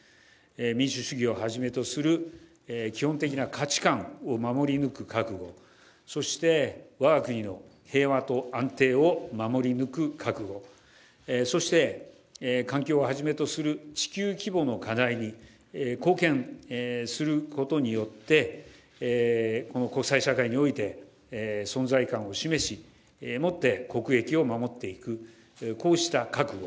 民主主義をはじめとする基本的な価値観を守り抜く覚悟そして我が国の平和と安定を守り抜く覚悟そして環境をはじめとする地球規模の課題に貢献することによって国際社会において存在感を示しもって国益を守っていくこうした覚悟